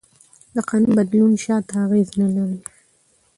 د قانون بدلون شاته اغېز نه لري.